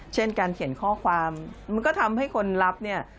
เช่นการเขียนข้อความมันก็ทำให้คนรับเนี่ย